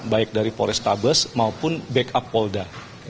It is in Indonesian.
baik dari polrestabes maupun backup polda